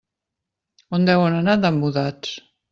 On deuen anar tan mudats.